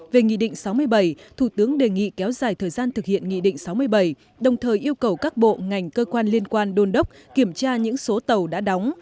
về nghị định sáu mươi bảy thủ tướng đề nghị kéo dài thời gian thực hiện nghị định sáu mươi bảy đồng thời yêu cầu các bộ ngành cơ quan liên quan đôn đốc kiểm tra những số tàu đã đóng